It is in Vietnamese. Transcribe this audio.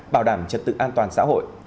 bảo đảm trật tự an toàn xã hội